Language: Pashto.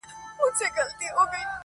زموږ پر کور باندي چي غم دی خو له ده دی٫